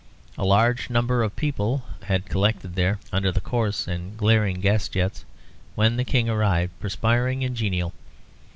A large number of people had collected there under the coarse and flaring gas jets when the King arrived, perspiring and genial.